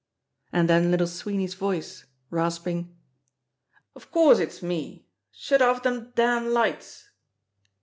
And then Little Sweeney's voice, rasping: "Of course, it's me! Shut off them damned lights!"